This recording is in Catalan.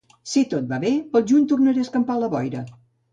Si tot va bé, pel juny tornaré a escampar la boira.